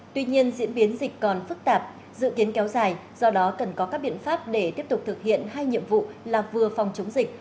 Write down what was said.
tuy nhiên diễn biến dịch còn phức tạp dự kiến kéo dài do đó cần có các biện pháp để tiếp tục thực hiện hai nhiệm vụ là vừa phòng chống dịch